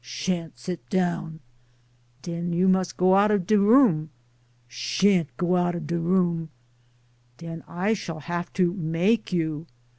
" Shan't sit down 1 "" Den you must go out of de room." "Shan't go out of the room." "Den I shall have to make you."